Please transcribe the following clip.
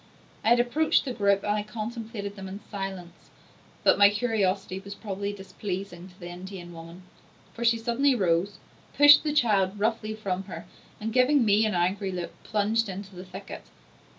I had approached the group, and I contemplated them in silence; but my curiosity was probably displeasing to the Indian woman, for she suddenly rose, pushed the child roughly from her, and giving me an angry look plunged into the thicket.